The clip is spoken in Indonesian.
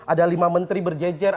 ada lima menteri berjejer